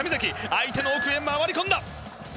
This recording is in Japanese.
相手の奥へ回りこんだ。